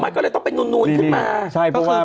มันก็เลยต้องเป็นนูนขึ้นมา